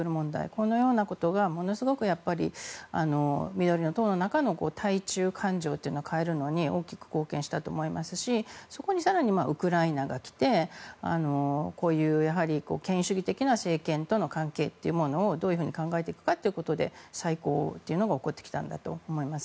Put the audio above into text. このようなことが、ものすごく緑の党の中の対中感情というのを変えるのに大きく貢献したと思いますしそこに更にウクライナが来て権威主義的な政権との関係っていうものをどういうふうに考えていくかということで再考というのが起こってきたんだと思います。